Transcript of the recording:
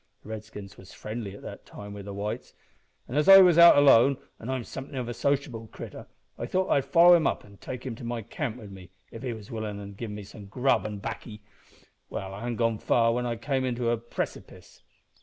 The Redskins was friendly at that time wi' the whites, and as I was out alone, an' am somethin' of a sociable critter, I thought I'd follow him up an' take him to my camp wi' me, if he was willin', an' give him some grub an' baccy. Well, I hadn't gone far when I came to a precipiece.